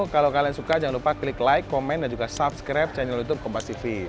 kalau kalian suka jangan lupa klik like comment dan juga subscribe channel youtube kompastv